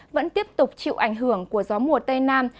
vẫn tiếp tục chịu ảnh hưởng của gió mùa tây nam